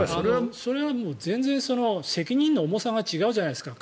それは全然、責任の重さが違うじゃないですか。